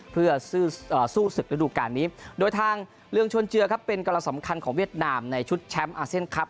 เพื่อสู้สึกระดูกการนี้โดยทางเรืองชวนเจือครับเป็นกำลังสำคัญของเวียดนามในชุดแชมป์อาเซียนครับ